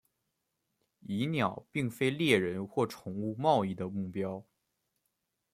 蚁鸟并非猎人或宠物贸易的目标。